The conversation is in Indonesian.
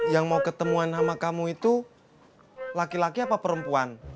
yang mau ketemuan sama kamu itu laki laki apa perempuan